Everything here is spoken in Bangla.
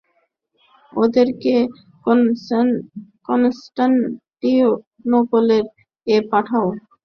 ওদেরকে কনস্টানটিনোপেল-এ পাঠাও।